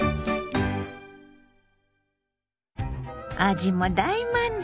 味も大満足！